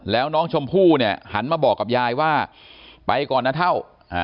แล้วน้องชมพู่เนี่ยหันมาบอกกับยายว่าไปก่อนนะเท่า